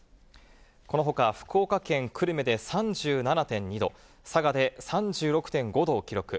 このほか福岡県久留米で３７．２度、佐賀で３６．５度を記録。